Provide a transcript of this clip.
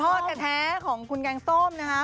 เป็นคุณพ่อแท้ของคุณแกงส้มนะคะ